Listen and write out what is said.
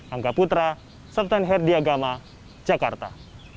angga putra sultan herdiagama jakarta